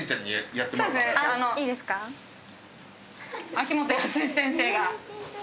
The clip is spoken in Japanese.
秋元康先生が。